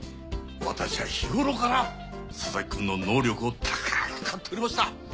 私は日ごろから佐々木君の能力を高く買っておりました！